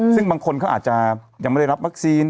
ซึ่งบางคนเขาอาจจะยังไม่ได้รับวัคซีน